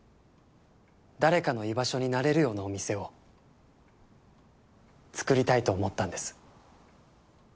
誰かの居場所になれるようなお店をつくりたいと思ったんです。